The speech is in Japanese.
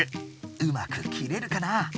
うまく切れるかな？